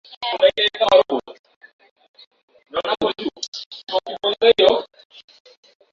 Katika mahojiano ya Jumapili Fadzayi Mahere msemaji wa muungano wa mabadiliko ya uraria